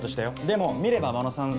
でも見れば真野さん